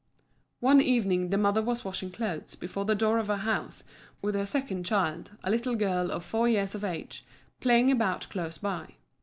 One evening the mother was washing clothes before the door of her house, with her second child, a little girl of four years of age, playing about close by.